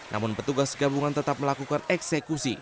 namun petugas gabungan tetap melakukan eksekusi